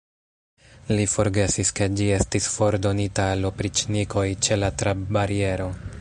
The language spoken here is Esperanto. Li forgesis, ke ĝi estis fordonita al opriĉnikoj ĉe la trabbariero.